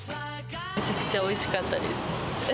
めちゃくちゃおいしかったです。